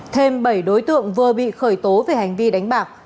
thêm bảy đối tượng vừa bị khởi tố về hành vi đánh bạc